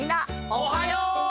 おはよう！